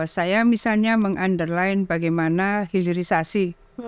saya misalnya meng underline bagaimana hilirisasi